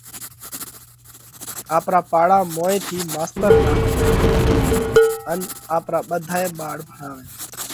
آپرا پاڙا موئين ٿِي ماستر راکئہ ان آپرا ٻڌائي ٻاۯ ڀڻاوئہ۔